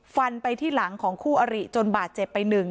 ฟันไปที่หลังของคู่อริจนบาดเจ็บไปหนึ่ง